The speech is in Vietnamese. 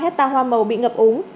hai mươi năm hecta hoa màu bị ngập úng